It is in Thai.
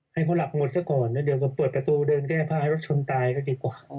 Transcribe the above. ให้เขาหลับหมดซะก่อนแล้วเดี๋ยวก็เปิดประตูเดินแก้ผ้าแล้วชนตายก็ดีกว่า